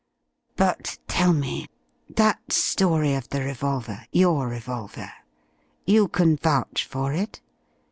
But, tell me. That story of the revolver your revolver. You can vouch for it?